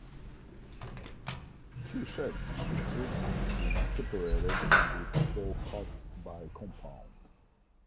Huchette street is separated from this forecourt by a compound.